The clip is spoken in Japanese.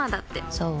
そう？